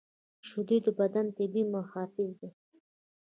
شیدې د بدن طبیعي محافظ دي